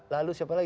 lalu siapa lagi